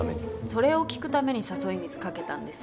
それを聞くために誘い水かけたんです。